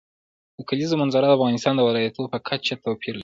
د کلیزو منظره د افغانستان د ولایاتو په کچه توپیر لري.